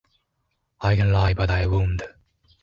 I can lie but I won't.